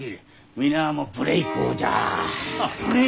皆あも無礼講じゃ。